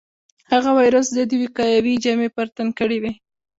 هغه د وېروس ضد وقايوي جامې پر تن کړې وې.